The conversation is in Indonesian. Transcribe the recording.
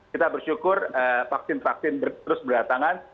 kita bersyukur vaksin vaksin terus berdatangan